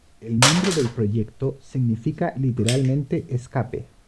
El nombre del proyecto significa literalmente "escape".